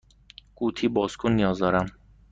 قوطی باز کن نیاز دارم.